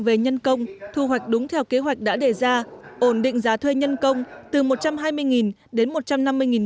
về nhân công thu hoạch đúng theo kế hoạch đã để ra ổn định giá thuê nhân công từ một trăm hai mươi đến